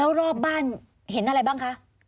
แล้วรอบบ้านเห็นอะไรบ้างคะ